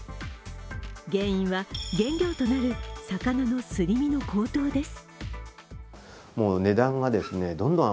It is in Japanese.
原因は、原料となる魚のすり身の高騰です。